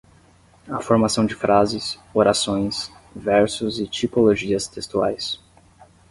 A formação de frases, orações, versos e tipologias textuais